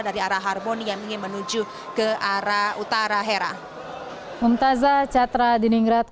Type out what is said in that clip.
dari arah harmoni yang ingin menuju ke arah utara hera